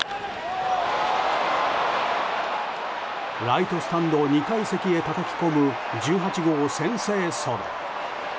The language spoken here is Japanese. ライトスタンド２階席へたたき込む１８号先制ソロ。